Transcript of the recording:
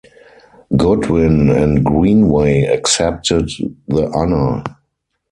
Goodwyn and Greenway accepted the honour.